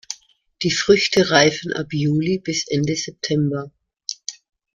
Die Früchte reifen ab Juli bis Ende September.